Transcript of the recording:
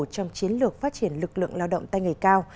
trong chiến lược phát triển lực lượng lao động tay nghề cao